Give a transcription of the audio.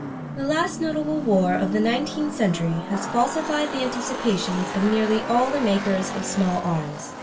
The last notable war of the nineteenth century has falsified the anticipations of nearly all the makers of small arms.